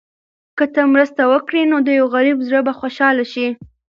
که ته مرسته وکړې، نو د یو غریب زړه به خوشحاله شي.